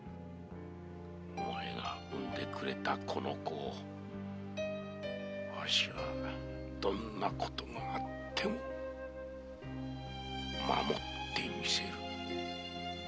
お前が産んでくれたこの子をどんなことがあってもわしが守ってみせる。